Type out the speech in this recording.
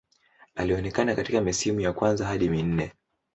Alionekana katika misimu ya kwanza hadi minne.